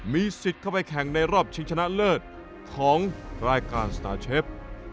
มีสิทธิ์เข้าไปแข่งในรอบชิงชนะเลิศของรายการสตาร์เชฟ